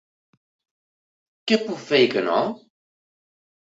Què puc fer i que no?